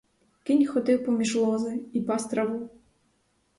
Кінь ходив поміж лози і пас траву.